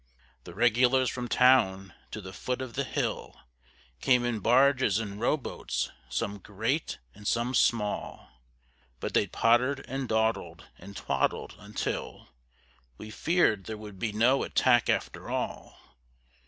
The Regulars from Town to the Foot of the Hill Came in Barges and Rowboats, some great and some small, But they potter'd and dawdl'd, and twaddled, until We fear'd there would be no Attack after all!